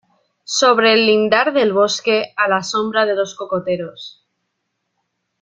sobre el lindar del bosque, a la sombra de los cocoteros